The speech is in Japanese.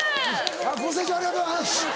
ご清聴ありがとうございます。